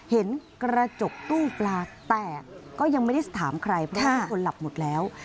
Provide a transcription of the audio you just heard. เห็นกระจกตู้ปลาแตกก็ยังไม่ได้ถามใครเพราะว่าทุกคนหลับหมดแล้ว